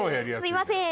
すいません。